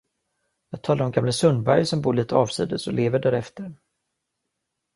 Jag talar om gamle Sundberg som bor litet avsides och lever därefter.